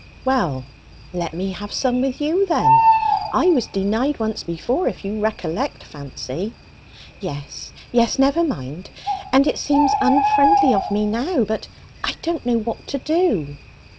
"Well, let me have some with you, then. I was denied once before, if you recollect, Fancy." "Yes, yes, never mind! And it seems unfriendly of me now, but I don't know what to do."